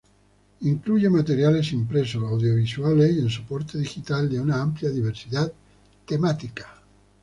Incluye materiales impresos, audiovisuales y en soporte digital de una amplia diversidad temática.